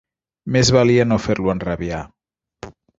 Més valia no fer-lo enrabiar.